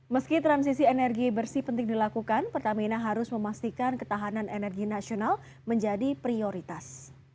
meski transisi energi bersih penting dilakukan pertamina harus memastikan ketahanan energi nasional menjadi prioritas